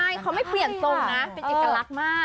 ใช่เขาไม่เปลี่ยนทรงนะเป็นเอกลักษณ์มาก